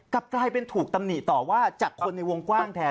กลับกลายเป็นถูกตำหนิต่อว่าจากคนในวงกว้างแทน